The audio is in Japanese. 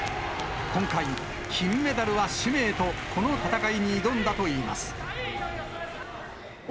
今回、金メダルは使命と、この戦いに挑んだといいます。